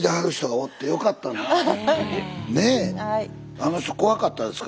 あの人怖かったですか？